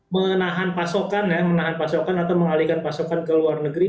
menahan pasokan ya menahan pasokan atau mengalihkan pasokan ke luar negeri